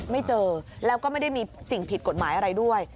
ไม่เจอแล้วก็ไม่ได้มีสิ่งผิดกฎหมายอะไรด้วย